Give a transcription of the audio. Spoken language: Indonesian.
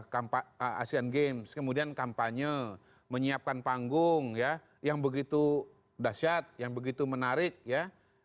kampanye asean games kemudian kampanye menyiapkan panggung ya yang begitu dasyat yang begitu menarik ya